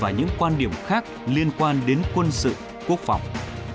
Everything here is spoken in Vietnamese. và những quan điểm khác liên quan đến quân sự quốc phòng